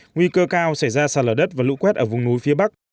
nguy cơ cao xảy ra sạt lở đất và lũ quét ở vùng núi phía bắc